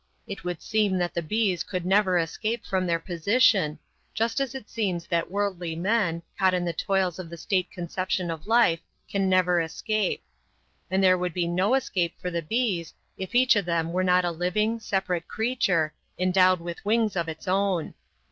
It would seem that the bees could never escape from their position, just as it seems that worldly men, caught in the toils of the state conception of life, can never escape. And there would be no escape for the bees, if each of them were not a living, separate creature, endowed with wings of its own.